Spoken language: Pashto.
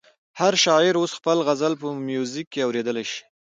هر شاعر اوس خپل غزل په میوزیک کې اورېدلی شي.